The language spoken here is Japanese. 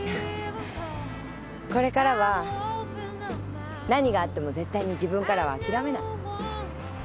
これからは何があっても絶対に自分からはあきらめない。